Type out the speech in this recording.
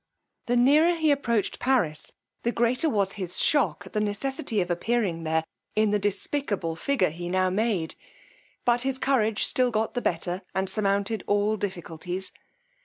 The nearer he approached Paris, the greater was his shock at the necessity of appearing there in the despicable figure he now made; but his courage still got the better, and surmounted all difficulties.